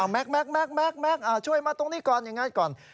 แม็กซ์ช่วยมาตรงนี้ก่อนยังไงก่อน